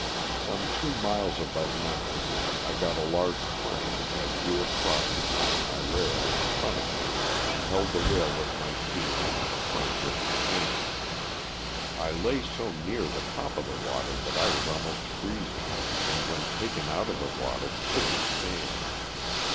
Some two miles above Memphis I got a large plank which I drew across the end of my rail in front of me and held the rail with my feet and the plank with my hands. I lay so near the top of the water that I was almost freezing, and when taken out of the water couldn't stand.